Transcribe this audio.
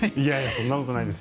そんなことないです。